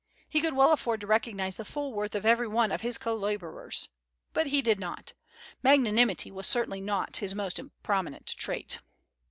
He could well afford to recognize the full worth of every one of his co laborers. But he did not. Magnanimity was certainly not his most prominent trait.